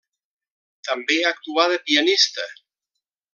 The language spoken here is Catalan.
També actuà de pianista.